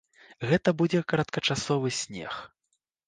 Гэта будзе кароткачасовы снег.